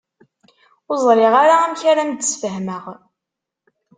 Ur ẓriɣ ara amek ara am-d-sfehmeɣ.